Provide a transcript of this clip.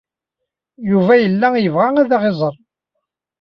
Yuba yella yebɣa ad aɣ-iẓer.